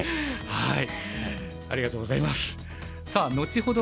はい。